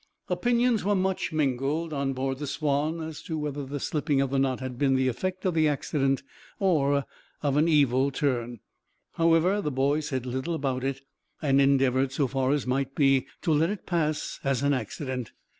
Opinions were much mingled, on board the Swanne, as to whether the slipping of the knot had been the effect of accident or of an evil turn; however, the boys said little about it, and endeavored, so far as might be, to let it pass as an accident.